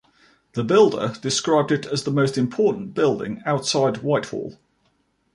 "The Builder" described it as the most important building outside Whitehall.